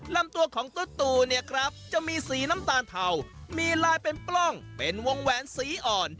ลำตัวของตุ๊ตูเนี่ยครับจะมีสีน้ำตาลเทามีลายเป็นปล้องเป็นวงแหวนสีอ่อน